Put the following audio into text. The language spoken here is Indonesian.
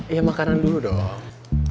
ya makanan dulu dong